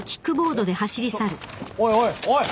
ちょおいおいおい！